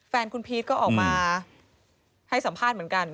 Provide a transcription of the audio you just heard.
แฟนคุณพีชก็ออกมาให้สัมภาษณ์เหมือนกัน